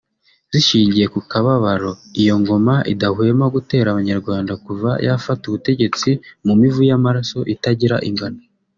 zishingiye ku kabaro iyo ngoma idahwema gutera abanyarwanda kuva yafata ubutegetsi mu mivu y’amaraso itagira ingano